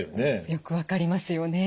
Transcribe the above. よく分かりますよね。